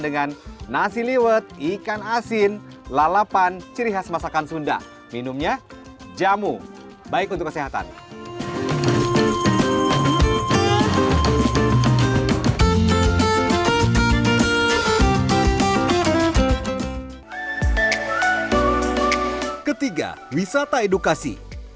ketiga wisata edukasi